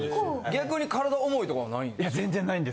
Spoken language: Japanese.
逆に体重いとかはないん？